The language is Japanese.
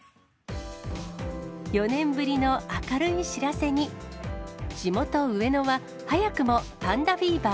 ４年ぶりの明るい知らせに、地元、上野は早くもパンダフィーバー